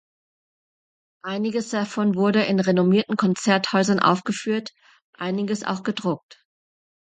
Einiges davon wurde in renommierten Konzerthäusern aufgeführt, einiges auch gedruckt.